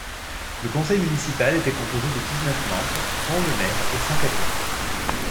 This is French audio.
Le conseil municipal était composé de dix-neuf membres dont le maire et cinq adjoints.